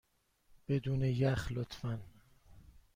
بدون یخ، لطفا.